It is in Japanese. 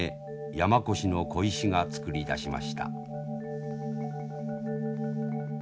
山古志の鯉師が作り出しました。